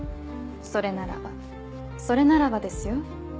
それならばそれならばですよ？